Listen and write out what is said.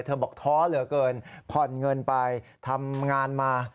บอกท้อเหลือเกินผ่อนเงินไปทำงานมา